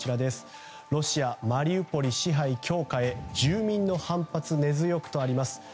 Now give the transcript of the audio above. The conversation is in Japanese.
ロシア、マリウポリ支配強化へ住民の反発、根強くとあります。